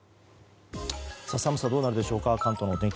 寒さ、どうなるでしょうか関東のお天気。